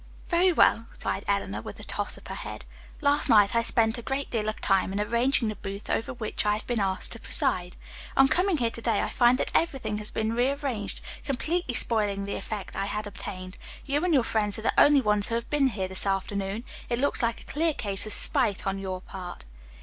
"Very well," replied Eleanor, with a toss of her head. "Last night I spent a great deal of time in arranging the booth over which I have been asked to preside. On coming here to day I find that everything has been rearranged, completely spoiling the effect I had obtained. You and your friends are the only ones who have been here this afternoon. It looks like a clear case of spite on your part."